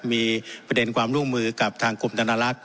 มีประเด็นความร่วมมือกับทางกรมธนลักษณ